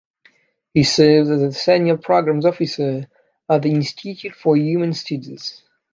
He serves as the Senior Programs Officer at the Institute for Humane Studies.